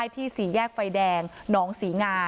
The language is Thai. ที่สี่แยกไฟแดงหนองศรีงา